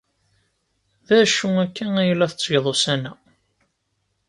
D acu akka ay la tettgeḍ ussan-a?